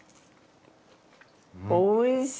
おいしい！